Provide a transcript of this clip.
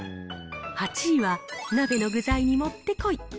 ８位は、鍋の具材にもってこい。